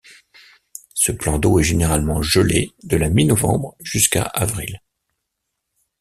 Ce plan d'eau est généralement gelé de la mi-novembre jusqu'à avril.